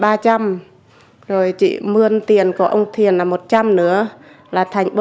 rồi chị mươn tiền của ông thiền là một trăm linh nữa là thành bốn trăm linh